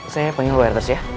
saya pengen keluar terus ya